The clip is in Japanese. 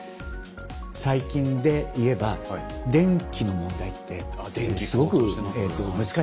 最近で言えば電気の問題ってすごく難しいですよね。